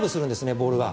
ボールが。